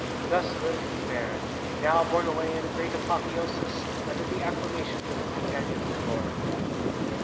Thus lived Guynemer, now borne away in a great apotheosis, amid the acclamations of his companions in glory.